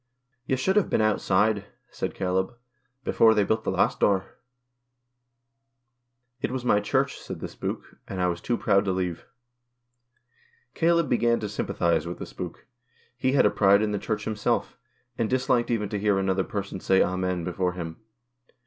" You should have been outside," said Caleb, " before they built the last door." " It was my Church," said the spook, " and I was too proud to leave." Caleb began to sympathise with the spook. He had a pride in the Church himself, and dis liked even to hear another person say Amen before him.